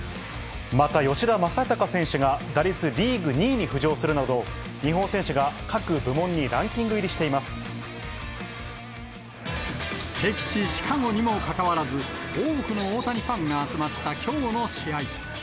また吉田正尚選手が、打率リーグ２位に浮上するなど、日本選手が各部門にランキング入りして敵地、シカゴにもかかわらず、多くの大谷ファンが集まったきょうの試合。